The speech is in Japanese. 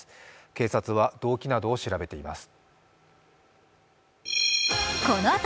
警察は動機などを調べています。